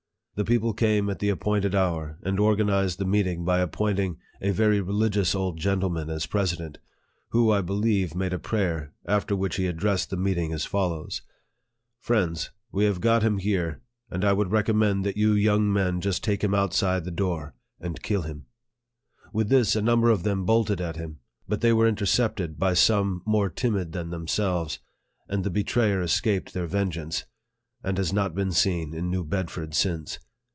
The people came at the appointed hour, and organized the meeting by appointing a very religious old gentleman as president, who, I believe, made a prayer, after which he addressed the meeting as follows: " Friends, we have got him here, and I would recommend that you young men just take him outside the door, and kill him !" With this, a number of them bolted at him ; but they were intercepted by some more timid than themselves, and the betrayer escaped their vengeance, and has not been seen in New Bedford since.